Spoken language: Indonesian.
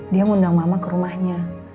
dia ngundang mama ke rumahnya